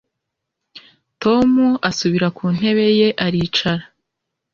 Tom asubira ku ntebe ye aricara